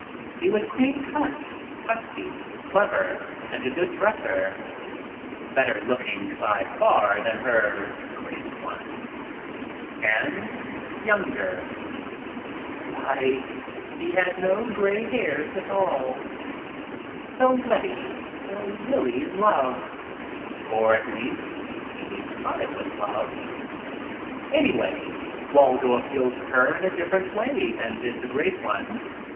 He was clean cut, husky, clever and a good dresser. ' Better looking by far than her Great One — and younger. Why, he had no gray hairs at all. So Letty fell really in love — or at least she thought it was love. Anyway, Waldo appealed to her in a different way than did the Great One.